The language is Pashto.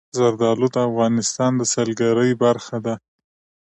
زردالو د افغانستان د سیلګرۍ برخه ده.